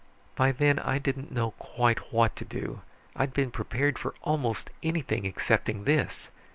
"By then I didn't know quite what to do. I'd been prepared for almost anything excepting this.